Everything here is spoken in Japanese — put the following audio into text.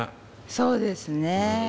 そうですね。